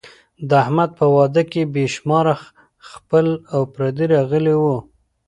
د احمد په واده کې بې شماره خپل او پردي راغلي وو.